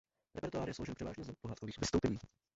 Repertoár je složen převážně z pohádkových vystoupení.